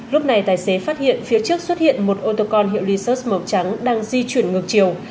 lúc này tài xế phát hiện phía trước xuất hiện một ô tô con hiệu lisers màu trắng đang di chuyển ngược chiều